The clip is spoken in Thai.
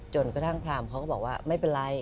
กระทั่งพรามเขาก็บอกว่าไม่เป็นไร